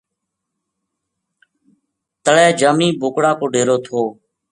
تلے جامی بوکڑا کو ڈیرو تھو